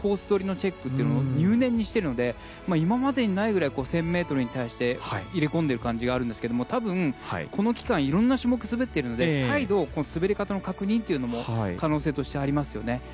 取りのチェックを入念にしているので今までにないぐらい１０００ｍに対して入れ込んでいる感じがあるんですけど多分、この期間いろんな種目を滑っているので再度、滑り方の確認というのも可能性としてありますね。